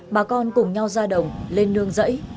bà con cùng nhau ra đồng lên nương dãy